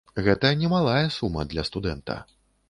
Гэта немалая сума для студэнта.